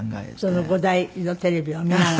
その５台のテレビを見ながら？